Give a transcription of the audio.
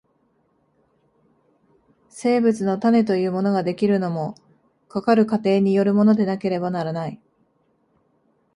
生物の種というものが出来るのも、かかる過程によるものでなければならない。